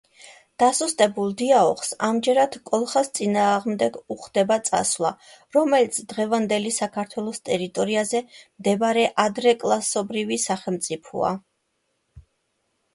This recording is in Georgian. დასუსტებულ დიაოხს ამჯერად კოლხას წინააღმდეგ უხდება წასვლა, რომელიც დღევანდელი საქართველოს ტერიტორიაზე მდებარე ადრეკლასობრივი სახელმწიფოა.